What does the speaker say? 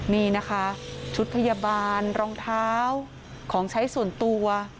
นี่นะคะชุดพยาบาลรองเท้าของใช้ส่วนตัว